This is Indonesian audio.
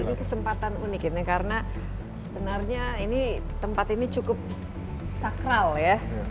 ini kesempatan unik ini karena sebenarnya ini tempat ini cukup sakral ya